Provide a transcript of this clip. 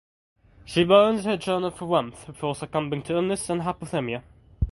She burns her journal for warmth before succumbing to illness and hypothermia.